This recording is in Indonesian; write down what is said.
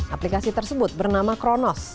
aplikasi tersebut bernama kronos